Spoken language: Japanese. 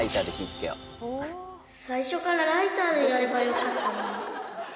最初からライターでやればよ